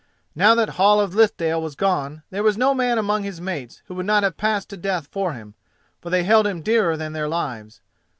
Now that Hall of Lithdale was gone, there was no man among his mates who would not have passed to death for him, for they held him dearer than their lives.